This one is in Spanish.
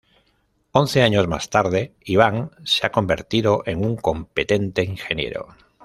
Once años más tarde, Iván se ha convertido en un competente ingeniero.